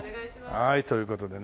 はいという事でね。